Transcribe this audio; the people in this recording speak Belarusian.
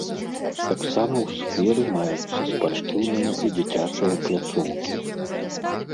Таксама ў скверы маюцца спартыўная і дзіцячая пляцоўкі.